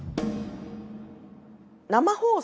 生放送